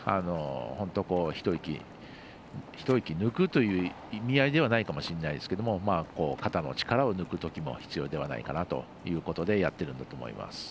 本当、一息抜くという意味合いではないかもしれないですが肩の力を抜くときも必要ではないかなということでやっているんだと思います。